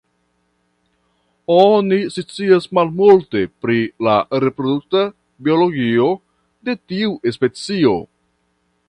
Oni scias malmulte pri la reprodukta biologio de tiu specio.